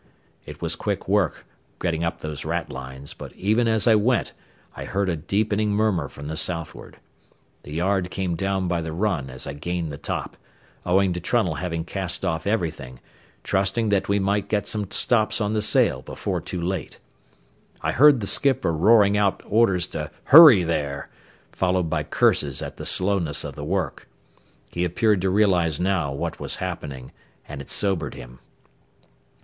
It was quick work getting up those ratlines, but even as I went I heard a deepening murmur from the southward. The yard came down by the run as I gained the top, owing to Trunnell having cast off everything, trusting that we might get some stops on the sail before too late. I heard the skipper roaring out orders to "hurry there," followed by curses at the slowness of the work. He appeared to realize now what was happening, and it sobered him.